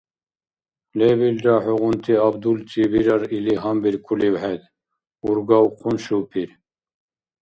— Лебилра хӀугъунти абдулти бирар или гьанбиркулив хӀед? – ургавхъун шупир.